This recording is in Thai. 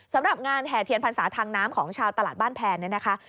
สำหรับงานแห่เทียนพรรษาทางน้ำของชาวตลาดบ้านแพนเนี่ยนะคะ